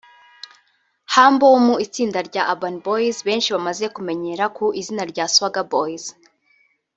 Humble wo mu itsinda rya Urban boys benshi bamaze kumenyera ku izina rya Swagger boys